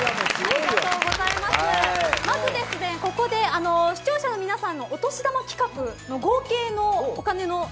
まず、ここで視聴者の皆さんのお年玉企画の合計のお金の。